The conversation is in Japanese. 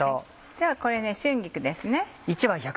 ではこれ春菊です。